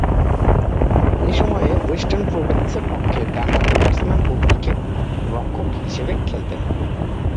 এ সময়ে ওয়েস্টার্ন প্রভিন্সের পক্ষে ডানহাতি ব্যাটসম্যান ও উইকেট-রক্ষক হিসেবে খেলতেন।